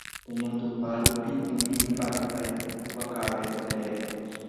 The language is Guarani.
Reñandúpajepi umi mba'evai ipu'akave nderehe.